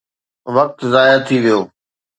وقت ضايع ٿي ويو.